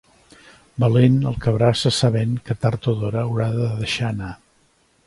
Valent el que abraça sabent que tard o d'hora haurà de deixar anar.